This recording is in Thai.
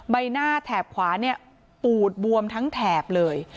ใบหน้าแถบขวาเนี่ยปูดบวมทั้งแถบเลย